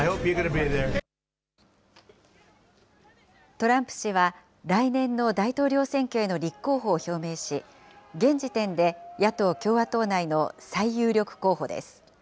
トランプ氏は、来年の大統領選挙への立候補を表明し、現時点で野党・共和党内の最有力候補です。